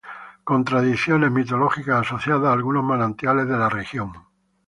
Con tradiciones mitológicas asociadas a algunos manantiales de la región.